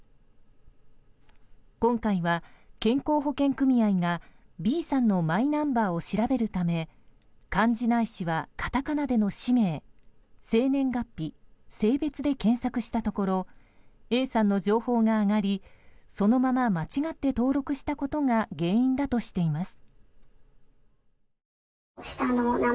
今回は、健康保険組合がＢさんのマイナンバーを調べるため漢字ないしはカタカナでの氏名生年月日、性別で検索したところＡさんの情報が上がりそのまま間違って登録したことが原因だとしています。